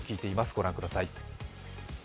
ご覧ください。